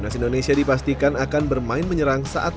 halsternya adalah sebuah pertandingan kekuatan